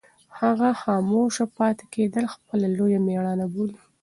هغه خاموشه پاتې کېدل خپله لویه مېړانه بولي.